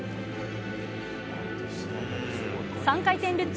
３回転ルッツ